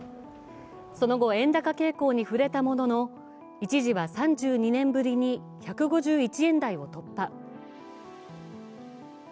その後、円高傾向に振れたものの一時は３２年ぶりに１５１円台を突破。